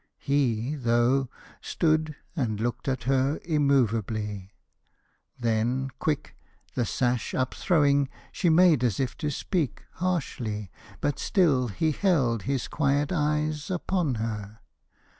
He, though, stood And looked at her immovably. Then, quick The sash upthrowing, she made as if to speak Harshly; but still he held his quiet eyes Upon her.